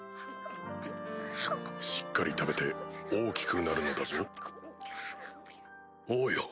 しっかり食べて大きくなるの王よ